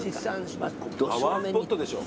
パワースポットでしょ。